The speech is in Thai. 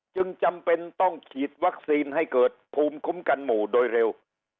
จึงจำเป็นต้องฉีดวัคซีนให้เกิดภูมิคุ้มกันหมู่โดยเร็ว